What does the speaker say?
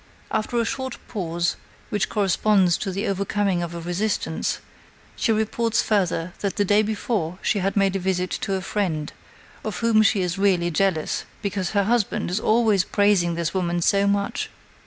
After a short pause, which corresponds to the overcoming of a resistance, she reports further that the day before she had made a visit to a friend, of whom she is really jealous, because her husband is always praising this woman so much.